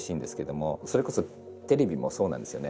それこそテレビもそうなんですよね。